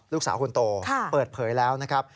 ลูกสาวคนโตเปิดเผยแล้วนะครับ